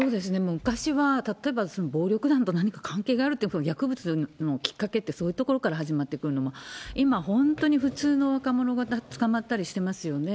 昔は、例えば暴力団と何か関係があるとか、薬物のきっかけってそういうところから始まってくるのも、今、本当に普通の若者が捕まったりしてますよね。